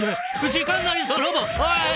時間ないぞロボおい。